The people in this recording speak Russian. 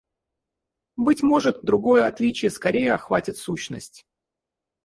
Быть может, другое отличие скорее охватит сущность.